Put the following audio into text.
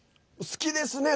好きですね！